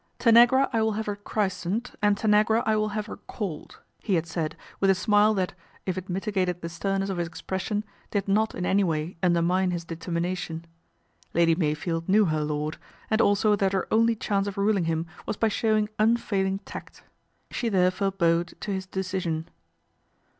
" Tanagra I will lave her christened and Tanagra I will have her :alled," he had said with a smile that, if it miti gated the sternness of his expression, did not in my way undermine his determination. Lady Mey Jield knew her lord, and also that her only chance of ruling him was by showing unfailing tact. She :herefore bowed to his decision.